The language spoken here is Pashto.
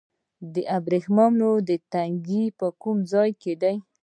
د ابریشم تنګی په کوم ځای کې دی؟